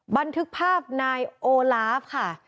บันทึกภาพนายโอลาฟค่ะ